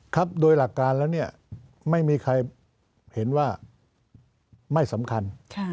ครับโดยหลักการแล้วเนี่ยไม่มีใครเห็นว่าไม่สำคัญ